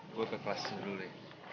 gue ke kelas dulu ya